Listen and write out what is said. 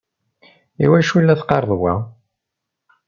I wacu i la teqqareḍ wa?